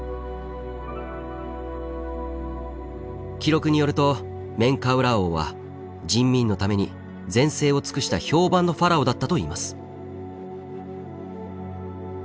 記録によるとメンカウラー王は人民のために善政を尽くした評判のファラオだったといいます。